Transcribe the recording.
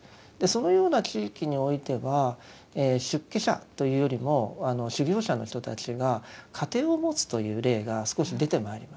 そのような地域においては出家者というよりも修行者の人たちが家庭を持つという例が少し出てまいります。